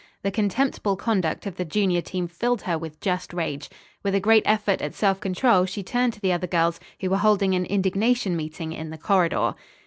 The contemptible conduct of the junior team filled her with just rage. With a great effort at self control she turned to the other girls, who were holding an indignation meeting in the corridor.